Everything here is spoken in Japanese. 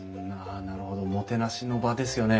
なるほどもてなしの場ですよね。